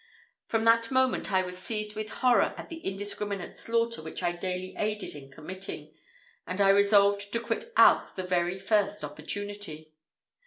From that moment I was seized with horror at the indiscriminate slaughter which I daily aided in committing, and I resolved to quit Auch the very first opportunity.